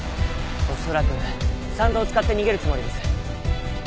恐らく山道を使って逃げるつもりです。